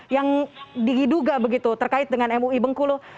yang diduga begitu terkait dengan mui bengkulu